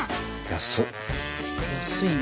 安い。